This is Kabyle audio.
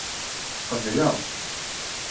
Qebleɣ.